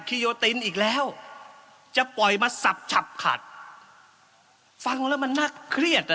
โยตินอีกแล้วจะปล่อยมาสับฉับขัดฟังแล้วมันน่าเครียดอ่ะ